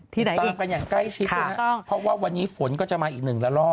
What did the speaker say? ตามไปอย่างใกล้ชิดครับเพราะว่าวันนี้ฝนก็จะมาอีก๑ละรอบ